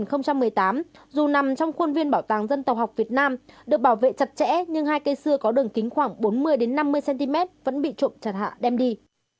tháng một mươi một năm hai nghìn một mươi tám dù nằm trong khuôn viên bảo tàng dân tàu học việt nam được bảo vệ chặt chẽ nhưng hai cây xưa có đường kính khoảng bốn mươi năm mươi cm vẫn bị trộm chặt hạ đem đi